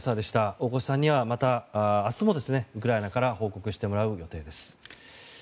大越さんには明日も、ウクライナから報告してもらう予定です。